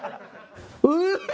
うわ！